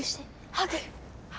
ハグ！